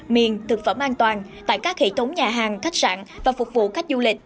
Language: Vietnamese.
miền thực phẩm an toàn tại các hệ thống nhà hàng khách sạn và phục vụ khách du lịch